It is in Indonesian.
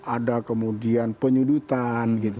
ada kemudian penyudutan gitu